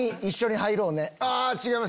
違います！